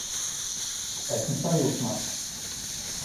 Esmu sajūsmā!